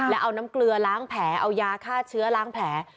แล้วเอาน้ำเกลือล้างแผลเอายาฆ่าเชื้อล้างแผล